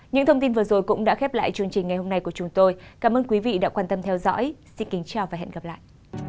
những thông tin vừa rồi cũng đã khép lại chương trình ngày hôm nay của chúng tôi cảm ơn quý vị đã quan tâm theo dõi xin kính chào và hẹn gặp lại